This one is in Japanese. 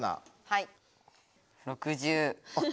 はい。